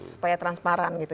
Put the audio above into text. supaya transparan gitu